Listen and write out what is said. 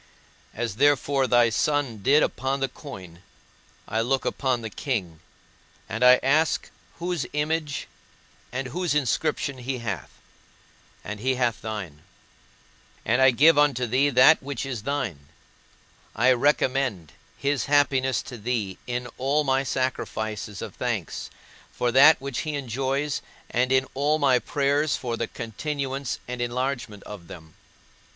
As therefore thy Son did upon the coin, I look upon the king, and I ask whose image and whose inscription he hath, and he hath thine; and I give unto thee that which is thine; I recommend his happiness to thee in all my sacrifices of thanks, for that which he enjoys, and in all my prayers for the continuance and enlargement of them.